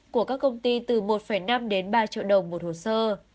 của các công ty từ một năm đến ba triệu đồng một hồ sơ